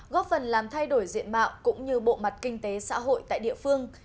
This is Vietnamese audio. góp phần làm thay đổi diện mạo cũng như bộ mặt kinh tế xã hội tại địa phương